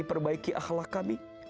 perbaiki akhlaq kami